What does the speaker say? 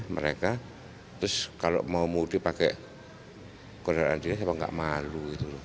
mereka terus kalau mau mudik pakai kondoran dinas apa nggak malu